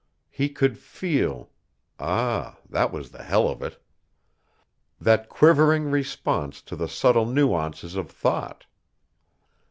He could feel, ah, that was the hell of it. That quivering response to the subtle nuances of thought!